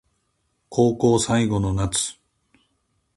高校最後の夏